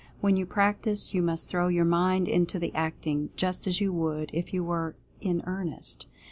When you practice, you must throw your mind into the acting, just as you would if you were in earn est.